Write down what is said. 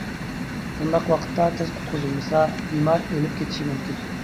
مۇنداق ۋاقىتتا تېز قۇتقۇزۇلمىسا، بىمار ئۆلۈپ كېتىشى مۇمكىن.